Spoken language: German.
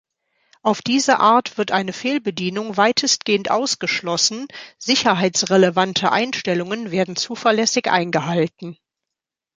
Auf diese Art wird eine Fehlbedienung weitestgehend ausgeschlossen, sicherheitsrelevante Einstellungen werden zuverlässig eingehalten.